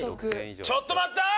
ちょっと待ったー！